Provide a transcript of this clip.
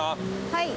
はい。